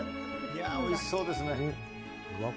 おいしそうですね。